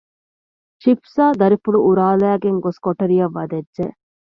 ޝިފްޒާ ދަރިފުޅު އުރާލައިގެން ގޮސް ކޮޓަރިއަށް ވަދެއްޖެ